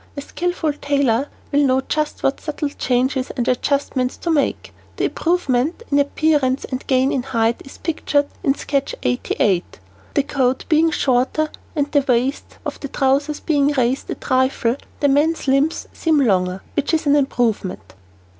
A skilful tailor will know just what subtle changes and adjustments to make. The improvement in appearance and gain in height is pictured in sketch 88. The coat being shorter and the waist of the trousers being raised a trifle, the man's limbs seem longer, which is an improvement.